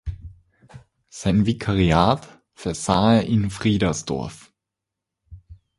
Sein Vikariat versah er in Friedersdorf.